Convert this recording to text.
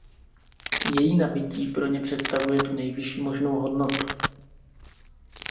Její nabytí pro ně představuje tu nejvyšší možnou hodnotu.